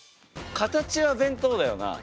形は弁当だよな。